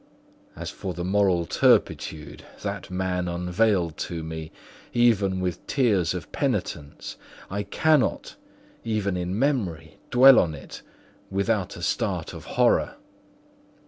As for the moral turpitude that man unveiled to me, even with tears of penitence, I cannot, even in memory, dwell on it without a start of horror.